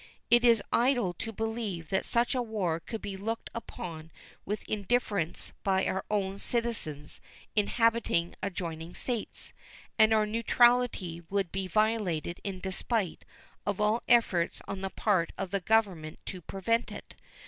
It is idle to believe that such a war could be looked upon with indifference by our own citizens inhabiting adjoining States; and our neutrality would be violated in despite of all efforts on the part of the Government to prevent it.